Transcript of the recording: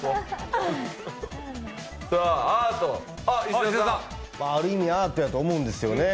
多分アートやと思うんですよね。